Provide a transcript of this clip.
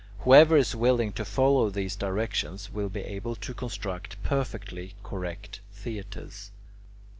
Whoever is willing to follow these directions will be able to construct perfectly correct theatres.